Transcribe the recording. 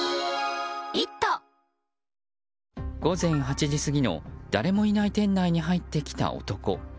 午前８時過ぎの誰もいない店内に入ってきた男。